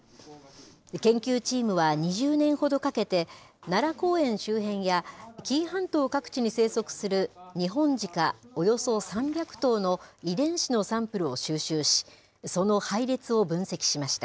研究チームは２０年ほどかけて、奈良公園周辺や紀伊半島各地に生息するニホンジカおよそ３００頭の遺伝子のサンプルを収集し、その配列を分析しました。